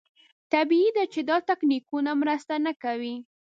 طبیعي ده چې دا تکتیکونه مرسته نه کوي.